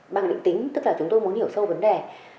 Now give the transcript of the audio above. bằng định tính tức là chúng tôi muốn hiểu sâu vấn đề